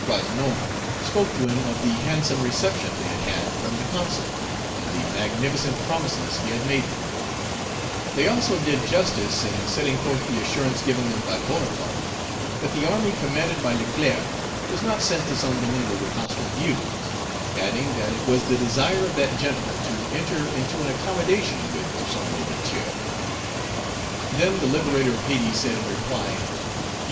Coasnon spoke to him of the handsome reception they had had from the Consul, and the magnificent promises he had made them; they also did justice in setting forth the assurance given them by Bonaparte, that the army commanded by Leclerc was not sent to Saint Domingo with hostile views; adding, that it was the desire of that general to enter into an accommodation with Toussaint L'Ouverture. Then the liberator of Hayti said in reply, "You, M.